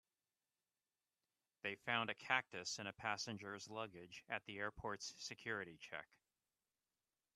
They found a cactus in a passenger's luggage at the airport's security check.